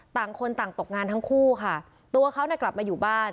ต่างคนต่างตกงานทั้งคู่ค่ะตัวเขาเนี่ยกลับมาอยู่บ้าน